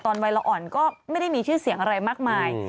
วัยละอ่อนก็ไม่ได้มีชื่อเสียงอะไรมากมาย